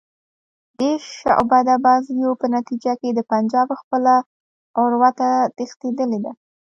دې شعبده بازیو په نتیجه کې د پنجاب خپله عورته تښتېدلې ده.